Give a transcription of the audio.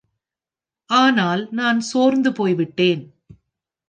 ஆனால் நான் சோர்ந்து போய்விட்டேன்.